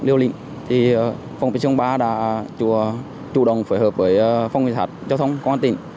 liêu lịnh thì phòng cảnh sát công an tỉnh đã chủ động phối hợp với phòng cảnh sát công an tỉnh